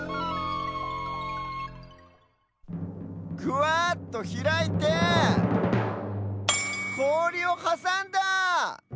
ぐわっとひらいてこおりをはさんだ！